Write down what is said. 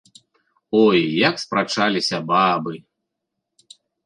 Ой, як спрачаліся бабы.